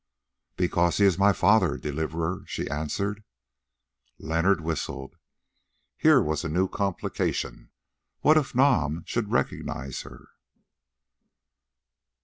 "Because he is my father, Deliverer," she answered. Leonard whistled; here was a new complication. What if Nam should recognise her?